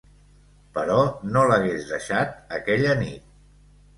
Però no l'hagués deixat aquella nit.